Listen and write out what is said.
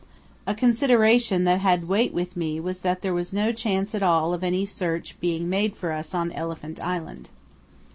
A consideration that had weight with me was that there was no chance at all of any search being made for us on Elephant Island.